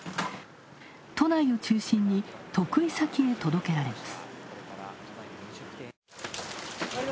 都内を中心に得意先へ届けられます。